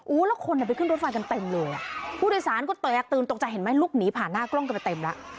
แล้วคนไปขึ้นรถไฟกันเต็มเลยอ่ะผู้โดยสารก็แตกตื่นตกใจเห็นไหมลุกหนีผ่านหน้ากล้องกันไปเต็มแล้ว